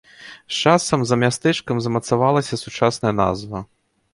З часам за мястэчкам замацавалася сучасная назва.